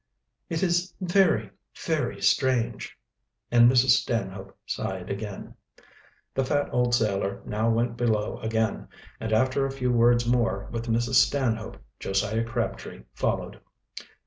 "It is very, very strange," and Mrs. Stanhope sighed again. The fat old sailor now went below again, and after a few words more with Mrs. Stanhope Josiah Crabtree followed.